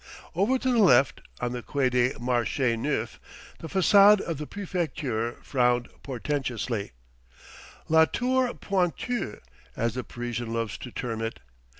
Over to the left, on the Quai de Marché Neuf, the façade of the Préfecture frowned portentously "La Tour Pointue," as the Parisian loves to term it.